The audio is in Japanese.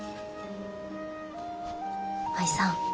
舞さん